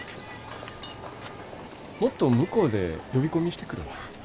もっと向こうで呼び込みしてくるわ。